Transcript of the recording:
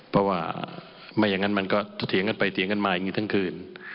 เพราะว่าไม่อย่างนั้นมันก็เถียงกันไปเถียงกันมาอย่างนี้ทั้งคืน